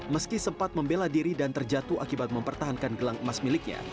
meski sempat membela diri dan terjatuh akibat mempertahankan gelang emas miliknya